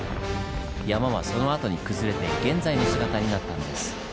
山はそのあとに崩れて現在の姿になったんです。